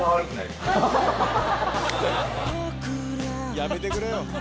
やめてくれよ。